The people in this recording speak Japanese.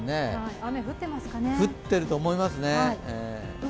雨、降ってると思いますね。